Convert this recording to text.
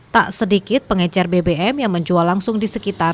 tak sedikit pengejar bbm yang menjual langsung ke sini